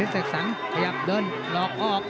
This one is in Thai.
เสกสรรขยับเดินหลอกออก